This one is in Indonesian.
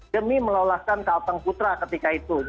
demi meloloskan kalteng putra ketika itu